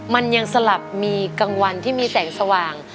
มันยังสลับมีกลางวันที่มีแสงสว่าง